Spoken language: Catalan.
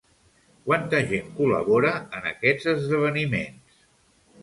Quanta gent col·labora en aquests esdeveniments?